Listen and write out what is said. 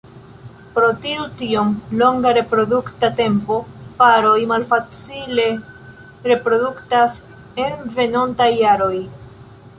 Pro tiu tiom longa reprodukta tempo, paroj malfacile reproduktas en venontaj jaroj.